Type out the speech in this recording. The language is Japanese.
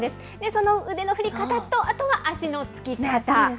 その腕の振り方と、あとは足のつき方。